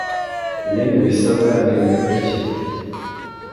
ibindi bisbwa ni ibi bikurikira